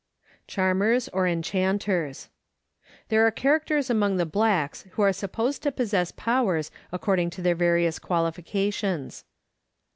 Charmers or Enchanters. There are characters among the blacks Avho are supposed to possess powers according to their various qualifications.